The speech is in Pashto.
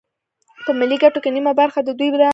په ملي ګټو کې نیمه برخه د دوی ده